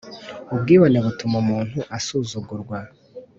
Ubwibone butuma umuntu asuzugurwa